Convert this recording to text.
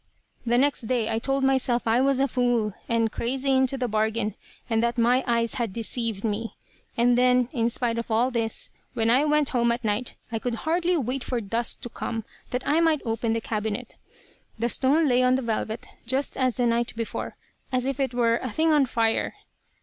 "The next day I told myself I was a fool, and crazy into the bargain, and that my eyes had deceived me. And then, in spite of all this, when I went home at night I could hardly wait for dusk to come that I might open the cabinet. "The stone lay on the velvet, just as the night before, as if it were a thing on fire!